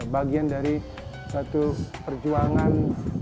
bagian dari satu perjuangan